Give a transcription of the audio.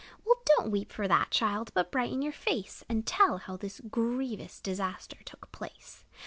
Well, do n't weep for that, child, But brighten your face, And tell how the grievous Disaster took place.